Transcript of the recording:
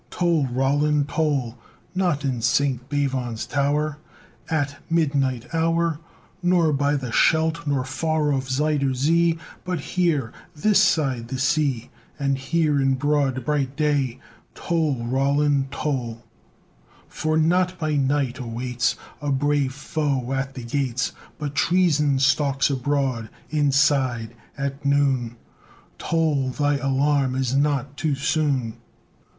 III Toll! Roland, toll! Not in St. Bavon's tower At midnight hour, Nor by the Scheldt, nor far off Zuyder Zee; But here this side the sea! And here in broad, bright day! Toll! Roland, toll! For not by night awaits A brave foe at the gates, But Treason stalks abroad inside! at noon! Toll! Thy alarm is not too soon!